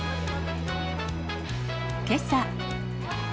けさ。